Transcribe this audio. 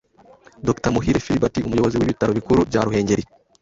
Dr. Muhire Philibert, Umuyobozi w’Ibitaro bikuru bya Ruhengeri